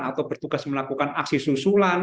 atau bertugas melakukan aksi susulan